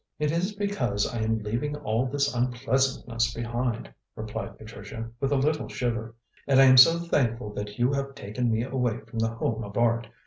"It is because I am leaving all this unpleasantness behind," replied Patricia, with a little shiver. "And I am so thankful that you have taken me away from The Home of Art.